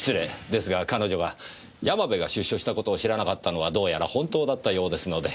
ですが彼女が山部が出所したことを知らなかったのはどうやら本当だったようですので。